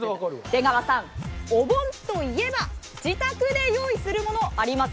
出川さんお盆といえば自宅で用意するものありますよね？